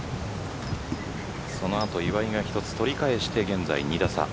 そのあと岩井が１つ取り返して現在２打差。